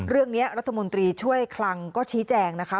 เรื่องนี้รัฐมนตรีช่วยคลังก็ชี้แจงนะคะ